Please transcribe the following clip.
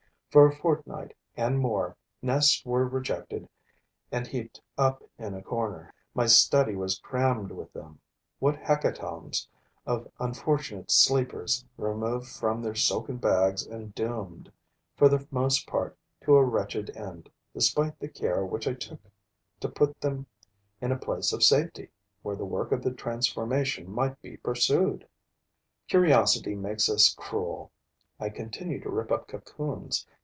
For a fortnight and more, nests were rejected and heaped up in a corner; my study was crammed with them. What hecatombs of unfortunate sleepers removed from their silken bags and doomed, for the most part, to a wretched end, despite the care which I took to put them in a place of safety, where the work of the transformation might be pursued! Curiosity makes us cruel. I continue to rip up cocoons.